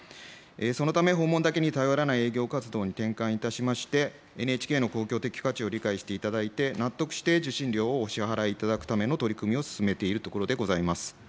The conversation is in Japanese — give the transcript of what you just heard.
そのため、訪問だけに頼らない営業活動に転換いたしまして、ＮＨＫの公共的価値を理解していただいて、納得して受信料をお支払いいただくための取り組みを進めているところでございます。